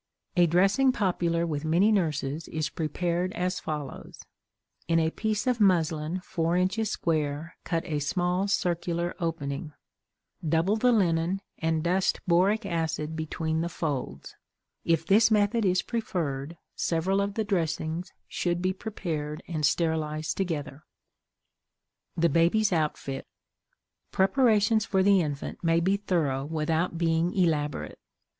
A dressing popular with many nurses is prepared as follows: In a piece of muslin four inches square cut a small circular opening; double the linen and dust boric acid between the folds. If this method is preferred, several of the dressings should be prepared and sterilized together. THE BABY'S OUTFIT. Preparations for the infant may be thorough without being elaborate.